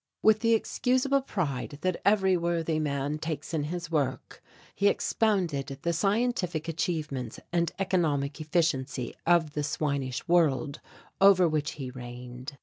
With the excusable pride that every worthy man takes in his work, he expounded the scientific achievements and economic efficiency of the swinish world over which he reigned.